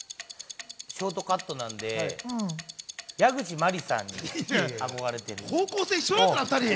ショートカットなので、矢口真里さんに憧れている。